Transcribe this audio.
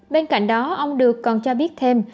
bên cạnh đó ông được còn cho biết thêm